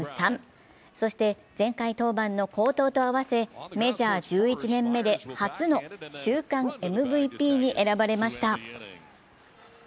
そして前回登板の好投と合わせメジャー１１年目で初の週間ＭＶＰに選ばれました。